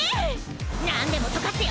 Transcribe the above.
なんでも溶かすよ